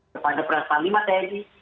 kepada presiden lima tni